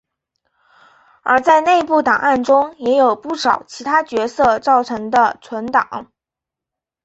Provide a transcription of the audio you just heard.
而在内部档案中也有不少其他角色造成的存档。